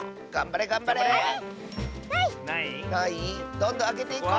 どんどんあけていこう！